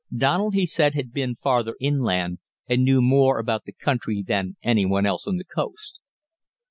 Donald, he said, had been farther inland and knew more about the country than anyone else on the coast.